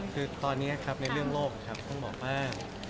คือตอนนี้ครับในเรื่องโลกต้องบอกว่า